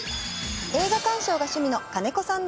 映画鑑賞が趣味の金子さんです。